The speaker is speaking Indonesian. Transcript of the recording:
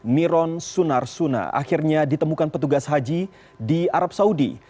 niron sunarsuna akhirnya ditemukan petugas haji di arab saudi